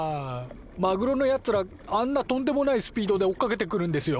マグロのやつらあんなとんでもないスピードで追っかけてくるんですよ？